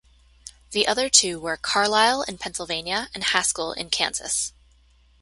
The other two were Carlisle in Pennsylvania and Haskell in Kansas.